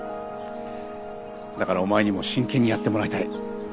だからお前にも真剣にやってもらいたい。